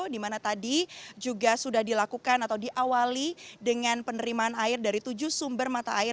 di mana tadi juga sudah dilakukan atau diawali dengan penerimaan air dari tujuh sumber mata air